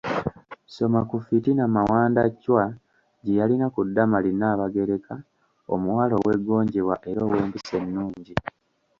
Soma ku fitina Mawanda Chwa gye yalina ku Damali Nabagereka omuwala ow’eggonjebwa era ow’empisa ennungi.